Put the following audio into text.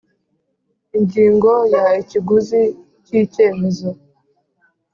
Ingingo ya ikiguzi cy icyemezo